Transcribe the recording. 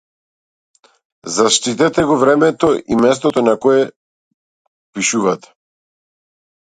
Заштитете го времето и местото на кое пишувате.